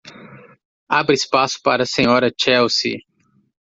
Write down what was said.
Abra espaço para a Sra. Chelsea.